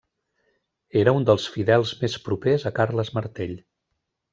Era un dels fidels més propers a Carles Martell.